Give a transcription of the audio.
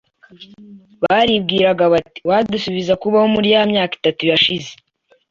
Baribwiraga bati, uwadusubiza kubaho muri ya myaka itatu yashize,